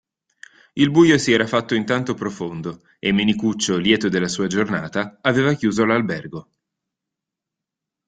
Il buio si era fatto intanto profondo e Menicuccio lieto della sua giornata, aveva chiuso l'albergo.